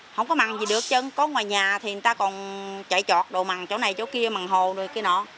không có mặn gì được chân có ngoài nhà thì người ta còn chạy trọt đồ mặn chỗ này chỗ kia mặn hồ rồi kia nọ